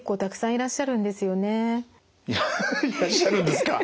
いらっしゃるんですか。